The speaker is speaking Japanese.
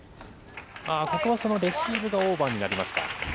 ここはそのレシーブがオーバーになりました。